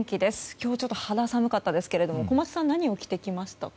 今日肌寒かったですけども小松さん、何を着てきましたか。